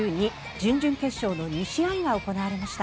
準々決勝の２試合が行われました。